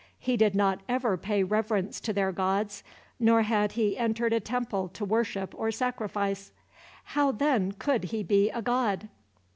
He did not ever pay reverence to their gods, nor had he entered a temple to worship or sacrifice. How then could he be a god?